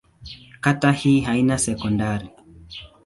Kata hii haina sekondari.